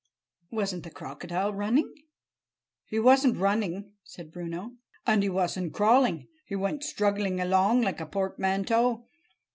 "Wasn't the crocodile running?" "He wasn't running," said Bruno, "and he wasn't crawling. He went struggling along like a portmanteau.